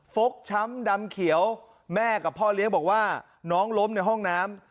ฟกช้ำดำเขียวแม่กับพ่อเลี้ยงบอกว่าน้องล้มในห้องน้ำ